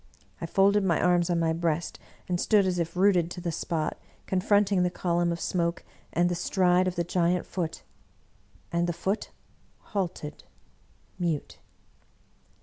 I folded my arms on my breast, and stood as if rooted to the spot, confronting the column of smoke and the stride of the giant Foot. And the Foot halted, mute.